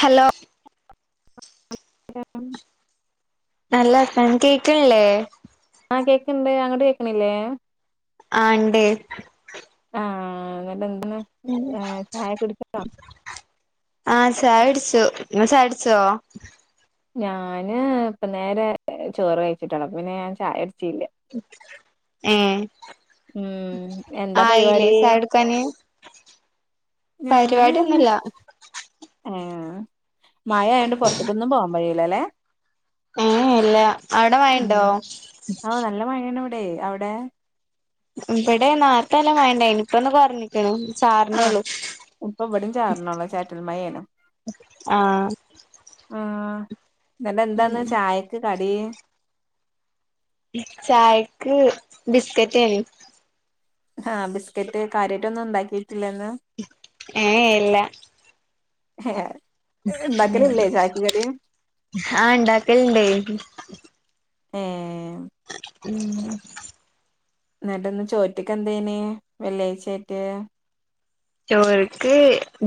Hello അം [unintelligible] അല്ല താൻ കേക്കണില്ലേ ആഹ് കേക്കണ്ട് അങ്ങോട്ട് കേക്കണില്ലേ ആഹ് ഉണ്ട് ആഹ് എന്നിട്ട് എന്താണ് എഹ് ചായ കുടിച്ചട്ടോ ആഹ് ചായടിച്ചു നിങ്ങ ചായടിച്ചോ ഞാന് ഇപ്പ നേരെ ചോറ് കഴിച്ചിട്ടാണ് പിന്നെ ഞാൻ ചായ കുടിച്ചില്ല ഏഹ് ഉം എന്താ ആയില്ലേ പരിപാടി ചായടിക്കാന് പരിപാടിയൊന്നുംല്ല ഉം മയായണ്ട് പുറത്തേക്കൊന്നും പോവാൻ വഴിയില്ലല്ലെ ഏഹ് ഇല്ല അവിടെ മയണ്ടോ ആഹ് നല്ല മയണ്ട് ണ്ടേ അവിടെ ഇവിടെ നേരത്തെ നല്ല മയയുണ്ടായിരുന്നു ഇപ്പോ ഒന്ന് കുറഞ്ഞു ഉം ആഹ് ചാറണേയുള്ളൂ ഇപ്പൊ ഇവടിം ചാർണൊള്ളു ചാറ്റൽ മഴേണ് ആഹ് ആഹ് ഇന്നലെ ഉം എന്താന്ന് ചായക്ക് കടി ചായയ്ക്ക് ബിസ്ക്കെറ്റ്നി ആഹ് ബിസ്കറ്റ് കാര്യാട്ടൊന്നും ഉണ്ടാക്കിട്ടില്ലന്ന് ഏഹ് ഇല്ല [unintelligible] ഉം ഇണ്ടാക്കലില്ലേ ചായക്ക് കടി ഞാൻ ഉണ്ടാക്കലില്ലേ ഏഹ് ഉം എന്നിട്ട് ഇന്ന് ചോറ്റക്ക് എന്തേന് വെള്ളിയാഴ്ച ആയിട്ട് ചോർക്ക്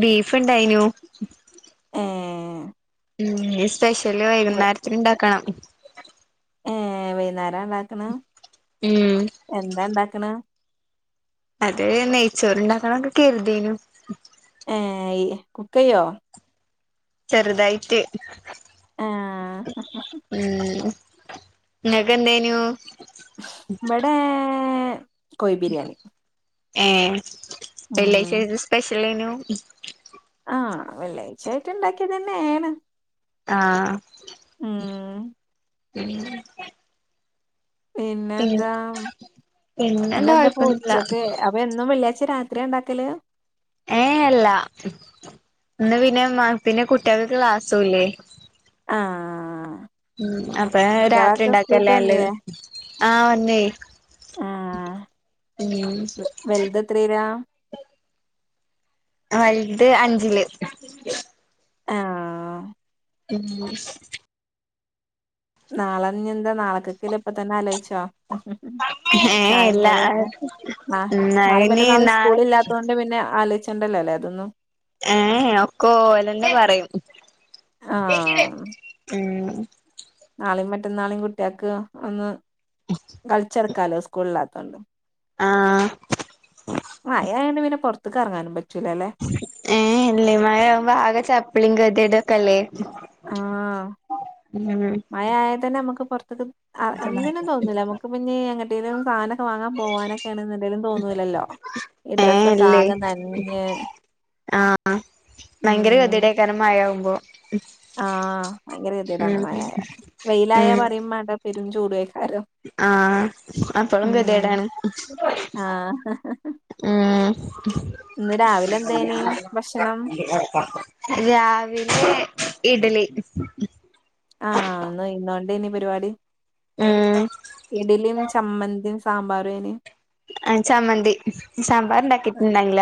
ബീഫ് ഉണ്ടായിനു എഹ് ഉം സ്പെഷ്യല് വൈകുന്നേരത്തിന് ഉണ്ടാക്കണം ഉം വൈകുന്നേരം ഉണ്ടാക്കണ ഉം എന്താ ഉണ്ടാക്കണ അത് നെയ്ച്ചോറുണ്ടാക്കണമെന്ന് കരുതിയിനു ഏഹ് കുക്കയോ ചെറുതായിട്ട് ആഹ് ഉം നിങ്ങക്കെന്തേനു ഇവിടെ കോയി ബിരിയാണി ഏഹ് വെള്ളാഴ് ഉം ചായിട്ട് സ്പെഷ്യൽ അയ്നു ആഹ് വെള്ളാഴ്ച ആയിട്ട് ഉണ്ടാക്കിയത് തന്നെയാണ് ആഹ് ഉം പിന്നെ പിന്നെന്താ പിന്നെന്താ ഇന്നെന്താപ്പൊ കൊഴപ്പൊന്നുല്ല ഉച്ചക്ക് അപ്പൊ എന്നും വെള്ളിയാഴ്ച രാത്രിയാ ഉണ്ടാക്കല് ഏഹ് അല്ല ഇന്ന് പിന്നെ പിന്നെ കുട്ടികക്ക് ക്ലാസുല്ലേ ആഹ് ഉം അപ്പൊ രാത്രി കുട്ട്യാളൊക്കെ സ്കൂള്ട്ട് ഉണ്ടാക്കല്ലേ നല്ലത് വന്നില്ലേ ആഹ് വന്നെയ് ഉം വെൽത് എത്രീലാ വെൽത് അഞ്ചില് ആഹ് ഉം നാളെ ഇഞ്ഞി എന്താ നാളക്കെക്കെള്ളെ ഇപ്പ തന്നെ ആലോചിച്ചോ ഉം ഏ ചായയും ഇല്ല കടിയും ഒക്കെ ഉം നാളെ അയിന് മറ്റന്നാളും നാളെ സ്കൂളല്ലാത്തൊണ്ട് ണ്ട് പിന്നെ ആലോയ്ച്ചണ്ടല്ലോ ല്ലേ അതൊന്നും ഏ ഏഹ് ഒക്കെ ഓലെന്നെ പറയും ആഹ് ഉം നാളെയും മറ്റന്നാളെയും കുട്ട്യാൾക്ക് ഒന്ന് കളിച്ചടക്കാലോ സ്കൂളില്ലാത്തോണ്ട് ആഹ് മഴ ആയോണ്ട് പിന്നെ പുറത്ത്ക്കെറങ്ങാനും പറ്റൂലാല്ലേ ഏയ് ഇല്ല മഴ ആവുമ്പം ആകെ ചപ്പ്ളിയും കെതേടൊക്കല്ലേ ഉം മഴ ആയാൽ തന്നെ നമുക്ക് പൊറത്ത്ക്ക് എന്തിനും തോന്നുല്ല നമുക്ക് അപ്പൊ പിന്നെ എങ്ങട്ടേലും സാനൊക്കെ വാങ്ങാൻ പോവാനൊക്കെ ആണ്ന്ന്ണ്ടേലും തോന്നൂലല്ലോ ഈ ഏഹ് ഡ്രസ്സൊക്കെ ഇല്ലേ ആകെ നനഞ്ഞ് ആഹ് ഭയങ്കര ഉം കെതേടെയ്ക്കാരം മഴാവുമ്പോ ആഹ് ഭയങ്കര കെതേടാണ് മഴ ആയ വെയിലായ പറയുമ്പാണ്ട പെരും ചൂടയ്ക്കാരം ആഹ അപ്പളും കെതേടാണ് ആഹ് ഉം ഇന്ന് രാവിലെ എന്തേനി ഭക്ഷണം രാവിലെ ഇഡ്ലി ആഹ് ഒന്ന് ഇന്നോണ്ട് അയ്നിം പരിപാടി ഉം ഇടിലും ചമ്മന്തിയും സാമ്പാർ അയ്നിം ആഹ് ചമ്മന്തി സാമ്പാർ ഉണ്ടാക്കിട്ടുണ്ടായ്ന്നില്ല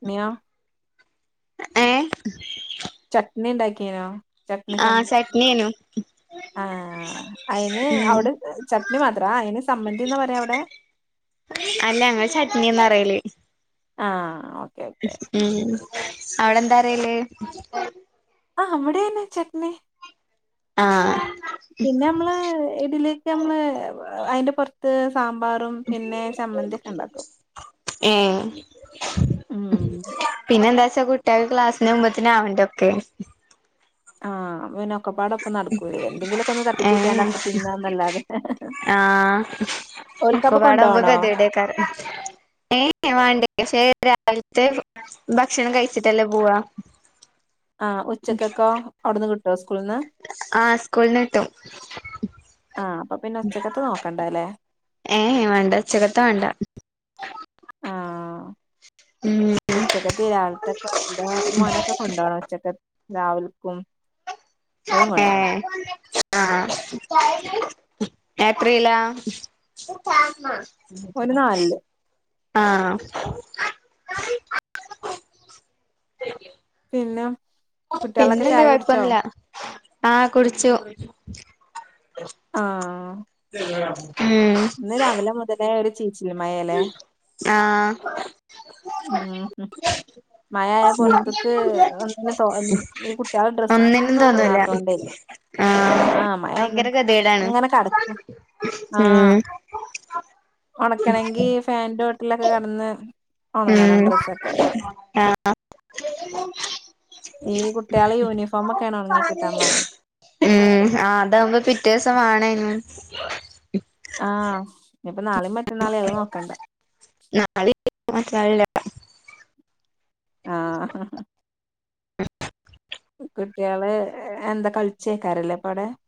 [unintelligible] ഏഹ് ചട്നി ഉണ്ടാക്കിനോ ആഹ് ചട്നി അയ്നു ആഹ് അയിന് ഉം അവിടെ ചട്നി മാത്ര അയിന് സമ്മന്തിന്നാ പറയാ അവിടെ അല്ല ഞങ്ങള് ചട്നിന്ന അറയല് ആഹ് ഓക്കെ ഓക്കേ ഉം അവിടെന്താ അറയല് ആഹ് അവിടെയന്നെ ചട്നി ആഹ് പിന്നമ്മള് ഇതിലേക്ക് നമ്മള് അയ്ന്റെ പുറത്ത് സാമ്പാർ പിന്നെ ചമ്മന്തി ഒക്കെ ഇണ്ടാക്കും ഏഹ് ഉം പിന്നെ എന്താച്ചാ കുട്ട്യാള് ക്ലാസിന് പോവുമ്പോത്തിനു ആവണ്ട ഒക്കെ ആഹ് അപ്പൊ പിന്നെ ഒക്കെ പാടെ ഒപ്പം നടക്കൂലെ എന്തെങ്കിലൊക്കെ ഒന്ന് ഏ തട്ടിക്കൂട്ടിയാണ്ട് അപ്പ തിന്നാന്നല്ലാതെ ആഹ് ഓൽക്കപ്പൊ കൊണ്ടോണോ [unintelligible] ഭക്ഷണം കഴിച്ചിട്ടല്ലേ പോവാ ആഹ് ഉച്ചക്കെക്കോ അവുട്ന്ന് കിട്ടോ സ്കൂളീന്ന് ആഹ് സ്കൂളീന്ന് കിട്ടും ആഹ് അപ്പൊ പിന്നെ ഉച്ചക്കത്തെ നോക്കണ്ടല്ലേ ഏഹ് വേണ്ട ഉച്ചക്കത്ത് വേണ്ട [inaudible] ഉച്ചക്കതേം രാവിലത്തേക്കും ന്റെ മോൻ മോനൊക്കെ കൊണ്ടോണം ഉച്ചക്കത്ത് രാവ്ൽക്കും ഏഹ് ആഹ് എത്രയിലാ ഓന് നാലില് ആഹ് പിന്നെ കുട്ടികളൊക്കെ പിന്നെന്താ ചായ കുടിച്ചോ കൊഴപ്പൊന്നുല്ല ആഹ് കുടിച്ചു ആഹ് [unintelligible] ഇന്ന് രാവിലെ മൊതലേ ഒരു ചീച്ചിലാ ആഹ് ഉം മഴയായ പൊറത്തുക്ക് ഒന്നും തോ ഈ കുട്ടിയോളെ ഒന്നിനും ഡ്രസ്സൊന്നും തോന്നൂല ഒണങ്ങാത്തോണ്ടേ ആഹ് മഴ വന്ന്ണ് ഭയങ്കര ഗതികേടാണ് ഇങ്ങനെ കെടക്കണ്‌ ആഹ് ഉം ഒണക്കണെങ്കി ഫാന്റെ ചോട്ടിലൊക്കെ കെടന്ന് ഒണങ്ങണം ഉം ഡ്രെസ്സൊക്കെ ആഹ് ആഹ് ഈ കുട്ട്യാള യൂണിഫോമൊക്കേണ് ഒണങ്ങി കിട്ടാൻ പണി ഉം ആഹ് അതാവുമ്പൊ പിറ്റേ ദിവസം [unintelligible] ആഹ് ഇനിപ്പൊ നാളെം മറ്റനാളും [unintelligible] നോക്കണ്ട [unintelligible] ആഹ് കുട്ട്യാള് എന്താ [unintelligible]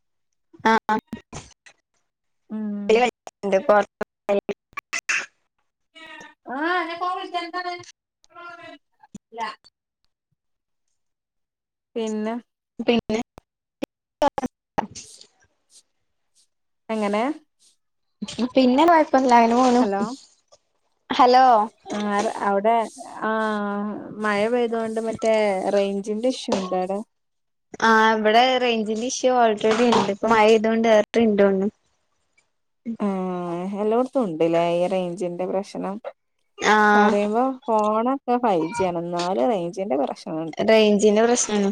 ഉം [unintelligible] [unintelligible] പിന്നെ പിന്നെ എങ്ങനെ പിന്നെ കൊഴപ്പ ഇല്ല അങ്ങനെ പോണു ഹലോ ആറ് അവിടെ ആഹ് മഴ പെയ്തോണ്ട് മറ്റേ റെയ്ഞ്ച്ന്റെ ഇഷ്യുണ്ടൊ അവിടെ ആഹ് ഇവിടെ റെയ്ഞ്ച്ന്റ ഇഷ്യു ഓൾറെഡി ഉണ്ട് ഇപ്പ മഴ പെയ്തോണ്ട് [unintelligible] ആഹ് എല്ലോട്ത്തൂണ്ട്ലേ ഈ റെയ്ഞ്ചിന്റെ പ്രശ്നം ആഹ് പറയുമ്പോ ഫോണൊക്കെ ഫൈജി ആണ് എന്നാലും റെയിഞ്ച്ന്റെ പ്രശ്നങ്ങള്ണ്ട് [unintelligible] പ്രശ്നാണ്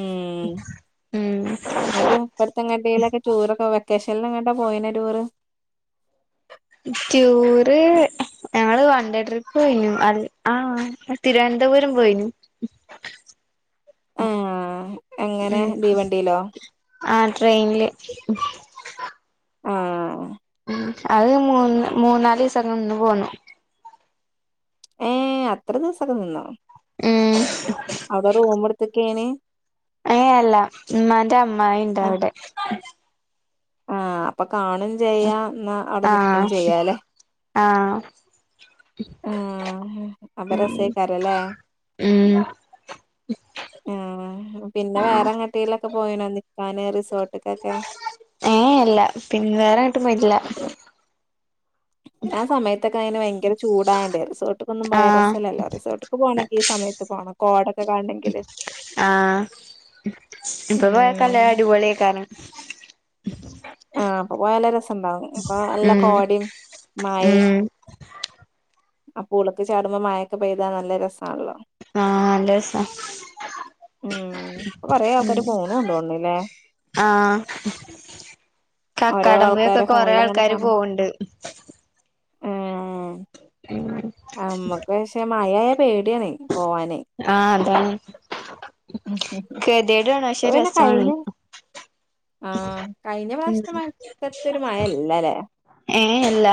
ഉം ഉം എന്നിട്ട് ഇപ്പട്ത്തെങ്ങട്ടേലൊക്കെ ടൂറൊക്കെ വെക്കേഷൻലെങ്ങട്ടാ പോയീന്ന് ടൂറ് ടൂറ് ഞങ്ങള് വൺണ്ടേ ട്രിപ്പ് പോയീനു ആഹ് തിരുവനന്തപുരം പോയീനു ആഹ് എങ്ങനെ തീവണ്ടീലോ ആഹ് ട്രെയിനില് ആഹ് അത് മൂന്ന് മൂന്നാലീസം നിന്ന് പോന്നു ഏഹ് അത്ര ദിവസൊക്കെ നിന്നോ ഉം അവരെ ഹോം വർക്കെങ്ങനെ? ഏയ് അല്ല ഉമ്മാന്റെ അമ്മായിണ്ട് അവിടെ. ആഹ് അപ്പൊ കാണും ചെയ്യാം എന്നാ അവിടെ നിക്കും ആഹ് ചെയ്യാല്ലെ. ആഹ്. ആഹ് അപ്പൊ ഉം ഉം രസേക്കാരല്ലേ ഉം. ഉം. ആഹ് പിന്നെ വേറെങ്ങട്ടയിലൊക്കെ പോയിണോ നിക്കാന് റിസോട്ട്ക്കൊക്കെ. ഏയ് അല്ല പിന്നെ വേറെങ്ങട്ടും പോയ്ട്ടില്ല. ആ സമയത്തൊക്കെ അയിന് ഭയങ്കര ചൂടായോണ്ടേ റിസോട്ട്ക്കൊന്നും പോയാ ആഹ് രസല്ലല്ലോ റിസോട്ട്ക്ക് പോണെങ്കി ഈ സമയത്ത് പോണം. കോടൊക്കെ കാണണെങ്കില് ആഹ് ഉം. പൊളീകാരം ആഹ് അപ്പൊ പോയ നല്ല രസംണ്ടാവും അപ്പൊ നല്ല ഉം കോടീം മയിം. ഉം ആ പുള്ക്ക് ചാടുമ്പോ മയൊക്കെ പെയ്താൽ നല്ല രസാണല്ലോ. ആഹ് നല്ലരസാ. ഉം ഇപ്പൊ കൊറേ ആൾക്കാര് ഉം പോണുണ്ട് തോന്നുന്നുല്ലേ ആഹ്. ഓരോ കക്കാടം പൊയേക്കെ ആൾക്കാരെ കൊറേ ഫോണിൽ ഇങ്ങനെ ആൾക്കാര് കാണാം പോവ്ണ്ട്. ഉം. നമ്മുക്ക് പക്ഷെ മഴായ പേടിയാണ് പോവാന്. ആഹ് അതാണ് കേട്ടീട്ടാണ് ഇപ്പൊ പക്ഷെ പിന്നെ രസാണ്. കഴിഞ്ഞ ആഹ് കഴിഞ്ഞ പ്രാവ്ശ്യത്തെ മയക്കൊത്ത ഒരു മഴല്ലലേ. ഏഹ് അല്ല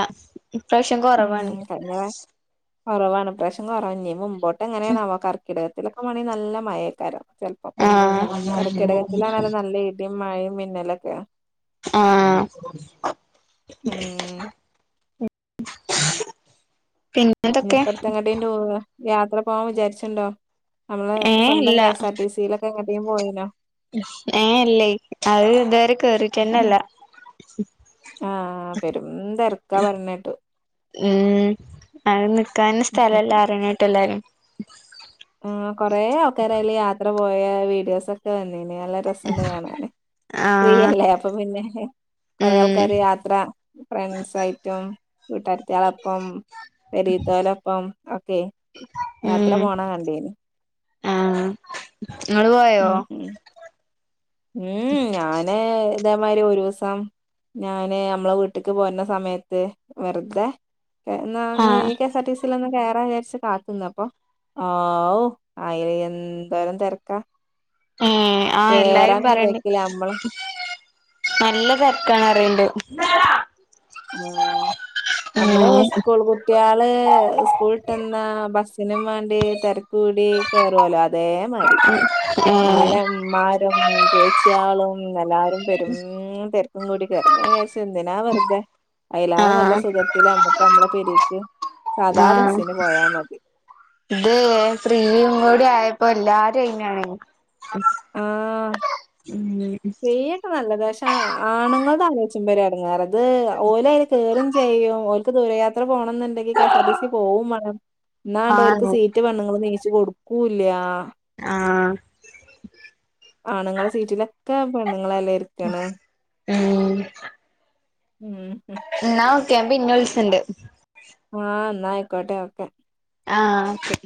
ഇപ്രാശ്യം കൊറവാണ്. കൊറവാണ് ഇപ്രാശ്യം കൊറവന്നേ മുമ്പോട്ട് എങ്ങനെയാണാവോ കർക്കിടകത്തിലൊക്കെ മാണെങ്കി നല്ല മയേക്കാരം. ആഹ് കർക്കിടകത്തിലാണല്ലൊ നല്ല ഇടിയും മഴയും മിന്നലൊക്കെ. ഉം ആഹ്. പിൻ [unintelligible] ടൂറോവാ? യാത്ര പോവാൻ വിജാരിച്ചിണ്ടോ നമ്മളെ ഏ സ്വന്തം ഇല്ല കെ എസ് ആർ ടി സിയിലൊക്കെ എങ്ങട്ടേം പോയാലോ? ഏഹ് അല്ലേ അഹ് അത് ഇതുവരെ കേറിട്ടല്ല. ആഹ് പെരുംത്തെരക്കാ പറഞ്ഞേട്ടു. ഉം അഹ് നിക്കാനു. സ്ഥലല്ല പറണേട്ടു എല്ലാരും. ആഹ് കൊറെ ആൾക്കാരതില് യാത്ര പോയ വീഡിയോസ് ഒ ക്കെ വന്നീനി നല്ല രസണ്ട് കാണാന് ആഹ് ഫ്രീയല്ലേ അപ്പൊ പിന്നെ. കൊറെ ഉം ആൾക്കാര് യാത്ര ഫ്രണ്സായിട്ടും. കൂട്ടാരത്തിയാളപ്പം പെരീത്തോലപ്പം ഒക്കെ. യാത്ര ഉം പോണ കാണാം ആഹ് ഇങ്ങള് പോയോ? ഉം ഉം ഉം ഞാന്. ഇതേമാരി ഒരുസം ഞാന് നമ്മളെ വീട്ട്ക്ക് പോര്ന്ന സമയത്ത് വെറുതെ. എന്ന ആഹ് ഈ കെസ് ആർ ടി സി. ത്തിലൊന്ന് കേറാ വിജാരിച്ച് കാത്ത്ന്നപ്പൊ ആവു അയിൽ എന്തോരം തെരക്കാ. ഏഹ് ആ എല്ലാരും കേറാനൊന്നും പറയ്ണ്ടേ. വൈക്കില്ല നമ്മള് നല്ല തെര്ക്കാണ് പറയ്ണ്ട്. ആഹ് നമ്മള് ഉം സ്കൂൾ പോ ട്ട്യാള് സ്കൂളിട്ടെന്നാ ബസ്സിനും വേണ്ടി തെരക്കൂടി കേറുവല്ലോ അതേ മാരി. ഉം അതേ മ്മാരും ചേച്ചിയാളും എല്ലാരും പെരും തെരക്കും കൂടി കേർണ് പിന്നെ ഞാ വിചാരിച്ച്. എന്തിനാ വെറുതെ. ഐലേറെ നല്ല ആഹ് സുഖത്തിൽ അമ്മക്ക് അമ്മളെ പെരീക്ക് സാദാ ആഹ് ബസ്സിന് പോയാ മതി. ഇത് ഫ്രീയും കൂടി ആയപ്പോ എല്ലാരും ഐനാണ്. ഉം. നല്ലതാപക്ഷെ ആണുങ്ങൾത് ആലോയ്ച്ചുംബോ ഒരെടങ്ങേറാ ഇത് ഓലോയ്ല് കേറും ചെയ്യും ഓൽക്ക് ദൂരയാത്ര പോണംന്നുണ്ടെങ്കി കെ എസ്ആർ ടി സിക്ക് പോവും വാണം എന്നാണ്ടൊ ഓൽക്ക് ആന്ന് സീറ്റ് ഒറ്റ പെണ്ണുങ്ങളും നീച്ച് കൊടുക്കൂല്ലാ ആഹ് ആണുങ്ങളെ സീറ്റിലൊക്കെ പെണ്ണുങ്ങളെല്ലേ ഇരി ഉം ഉം ന്നാ ഓക്കെ ഞാം പിന്നെ വിള്ച്ചണ്ട് ആ ന്നാ ആയ്ക്കോട്ടെ ഓക്കെ ആഹ് ക്കേ